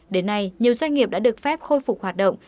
đến nay nhiều doanh nghiệp đã được phép khôi phục hoạt động